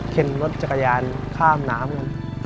เคลียร์รถจักรยานข้ามน้ำ